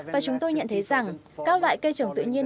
và chúng tôi nhận thấy rằng các loại cây trồng tự nhiên